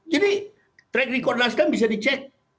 jadi track record nasdem bisa dicek